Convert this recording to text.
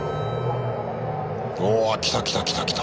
おおっ来た来た来た来た。